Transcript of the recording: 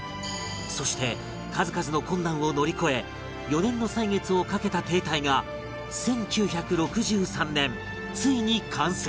そして数々の困難を乗り越え４年の歳月をかけた堤体が１９６３年ついに完成